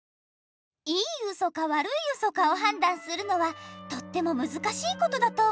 いいウソかわるいウソかをはんだんするのはとってもむずかしいことだと思うのよ。